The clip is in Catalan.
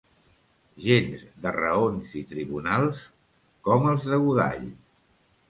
Gent de raons i tribunals, com els de Godall.